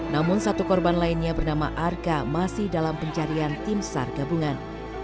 namun satu korban lainnya bernama arka masih dalam pencarian tim sar gabungan